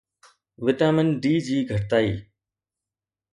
vitamin D جي گھٽتائي